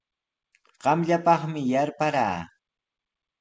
Qamllatami yarparaa.